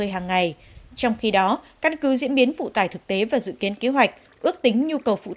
ba mươi hàng ngày trong khi đó căn cứ diễn biến phụ tải thực tế và dự kiến kế hoạch ước tính nhu cầu